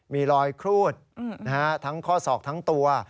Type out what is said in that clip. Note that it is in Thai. มีรอยครูดทั้งข้อศอกทั้งตัว